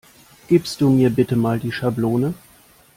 Gibst du mir bitte Mal die Schablone?